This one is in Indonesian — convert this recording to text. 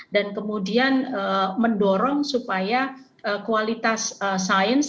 dan kemudian mendorong supaya kualitas sains